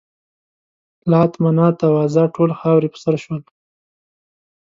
لات، منات او عزا ټول خاورې په سر شول.